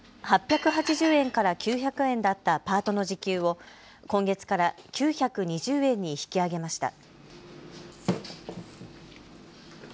８８０円から９００円だったパートの時給を今月から９２０円に引き上げました。